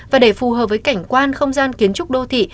và để phù hợp với cảnh quan không gian kiến trúc đô thị